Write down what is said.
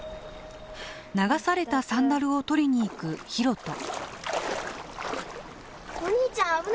流されたサンダルを取りに行くヒロト。